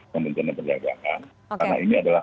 kementerian perdagangan karena ini adalah